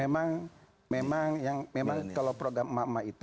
memang memang yang memang kalau program emak emak itu